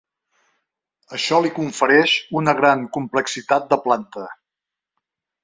Això li confereix una gran complexitat de planta.